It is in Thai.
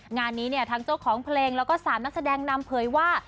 งานนี้เนี่ยทั้งเจ้าของเพลงแล้วก็๓นักแสดงนำเผยว่า